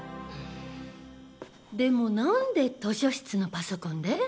でも何で図書室のパソコンで？